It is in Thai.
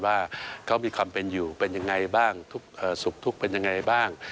ว่าเขามีความเป็นอยู่สุขทุกข์เป็นอย่างไรบ้าง